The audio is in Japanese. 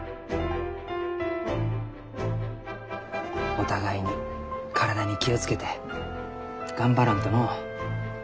お互いに体に気を付けて頑張らんとのう。